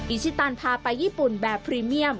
อิชิตันพาไปญี่ปุ่นแบบพรีเมียม